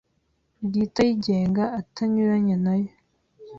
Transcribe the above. bwite ayigenga atanyuranya na yo